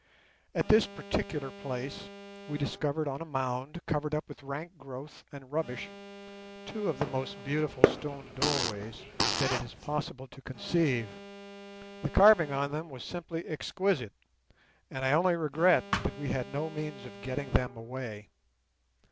At this particular place we discovered on a mound, covered up with rank growth and rubbish, two of the most beautiful stone doorways that it is possible to conceive. The carving on them was simply exquisite, and I only regret that we had no means of getting them away.